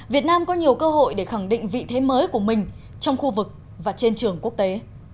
việt nam có nhiều cơ hội để khẳng định vị thế mới của mình trong khu vực và trên trường quốc tế